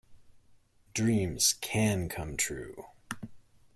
Dreams can come true.